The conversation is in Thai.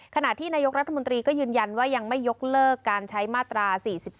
ขณะที่นายกรัฐมนตรีก็ยืนยันว่ายังไม่ยกเลิกการใช้มาตรา๔๔